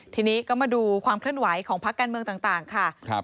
ทีนี้ก็มาดูความเคลื่อนไหวของพักการเมืองต่างค่ะ